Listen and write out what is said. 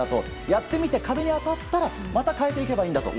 やってみて壁に当たったらまた変えていけばいいんだと。